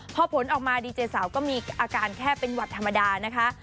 พอผลออกมาดีเจสาวก็มีอาการแค่เป็นหวัดธรรมดานะคะ